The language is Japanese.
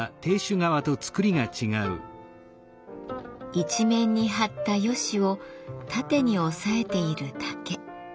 一面に張った葦を縦に押さえている竹。